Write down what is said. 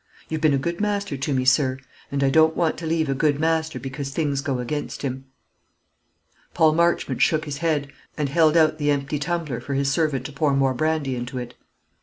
You've been a good master to me, sir; and I don't want to leave a good master because things go against him." Paul Marchmont shook his head, and held out the empty tumbler for his servant to pour more brandy into it.